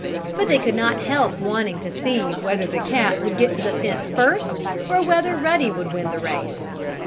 But they could not help wanting to see whether the cat would get to the fence first, or whether Ruddy would win the race.